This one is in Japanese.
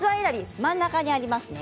真ん中にあります。